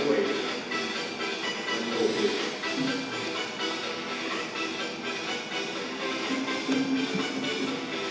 สวัสดีครับ